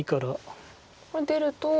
これ出ると。